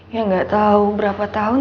yang gak tau berapa tahun